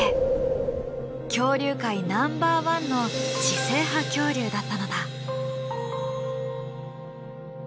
恐竜界ナンバーワンの知性派恐竜だったのだ。